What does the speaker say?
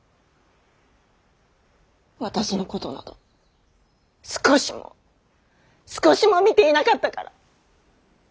私のことなど少しも少しも見ていなかったから。